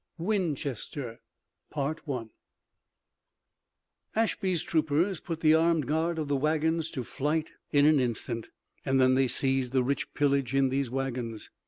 WINCHESTER Ashby's troopers put the armed guard of the wagons to flight in an instant, and then they seized the rich pillage in these wagons.